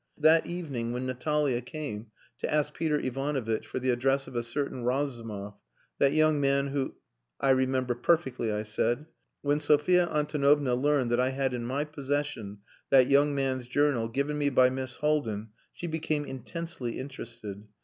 That evening when Natalia came to ask Peter Ivanovitch for the address of a certain Razumov, that young man who..." "I remember perfectly," I said. When Sophia Antonovna learned that I had in my possession that young man's journal given me by Miss Haldin she became intensely interested.